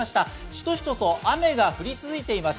しとしとと雨が降り続いています。